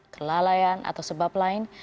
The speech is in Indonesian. kelalaian atau sebab lain